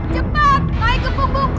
cepat naik ke pumbungku